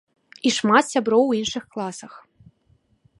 І шмат сяброў у іншых класах.